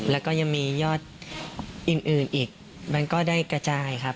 แล้วก็ยังมียอดอื่นอีกมันก็ได้กระจายครับ